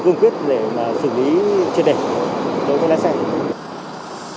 kiên quyết để xử lý trên đề